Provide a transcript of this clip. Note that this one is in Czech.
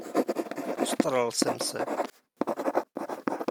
Postaral jsem se.